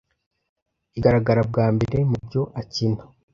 igaragara bwa mbere mubyo akina